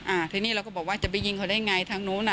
อ่าทีนี้เราก็บอกว่าจะไปยิงเขาได้ไงทางนู้นอ่ะ